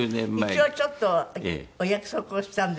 一応ちょっとお約束をしたんですよ